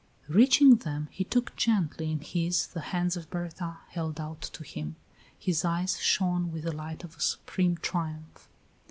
Reaching them, he took gently in his the hands Berta held out to him. His eyes shone with the light of a supreme triumph.